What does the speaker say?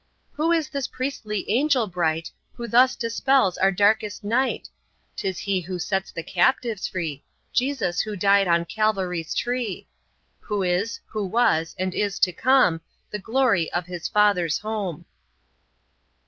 "Who is this priestly Angel bright, Who thus dispels our darkest night? 'Tis He who sets the captive free, Jesus Who died on Calvary's tree; Who is, Who was, and is to come The glory of His Father's Home!